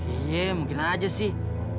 iya mungkin aja sih